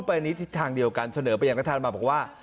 อันนี้ทิศทางเดียวกันเสนอไปอย่างรัฐธรรมนูญมาบอกว่า